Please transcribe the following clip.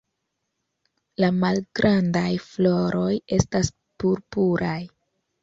La malgrandaj floroj estas purpuraj.